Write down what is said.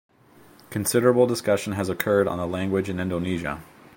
Considerable discussion has occurred on the language in Indonesia.